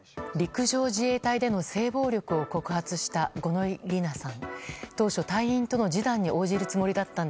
陸上自衛隊の性暴力を告発した五ノ井里奈さん。